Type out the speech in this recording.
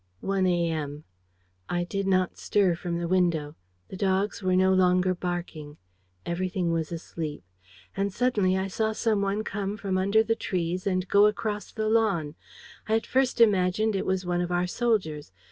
... "1 a. m. "I did not stir from the window. The dogs were no longer barking. Everything was asleep. And suddenly I saw some one come from under the trees and go across the lawn. I at first imagined it was one of our soldiers.